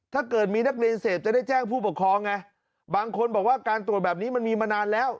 ถ้าเกิดมีนักเรียนเสพจะได้แจ้งผู้ปกครองไงบางคนบอกว่าการตรวจแบบนี้มันมีมานานแล้ว